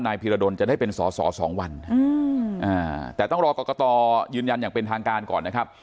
พีรดลจะได้เป็นสอสอ๒วันแต่ต้องรอกรกตยืนยันอย่างเป็นทางการก่อนนะครับ